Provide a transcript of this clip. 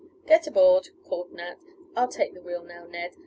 "Get aboard," called Nat, "I'll take the wheel now, Ned.